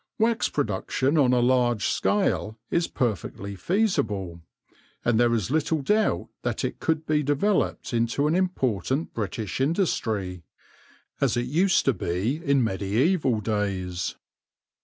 Wax production on a large scale is perfectly feasible, and there is little doubt that it could be developed into an important British in dustry, as it used to be in mediaeval days.